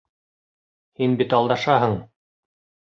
Һин бит алдашаһың.